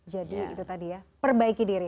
jadi itu tadi ya perbaiki diri